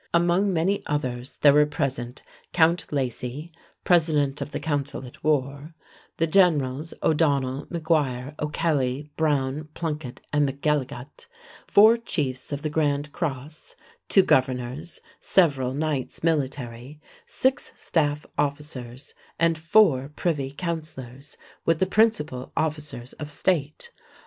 Among many others, there were present Count Lacy, President of the Council at War, the generals O'Donnell, McGuire, O'Kelly, Browne, Plunkett, and MacElligot, four chiefs of the Grand Cross, two governors, several knights military, six staff officers, and four privy councillors, with the principal officers of State.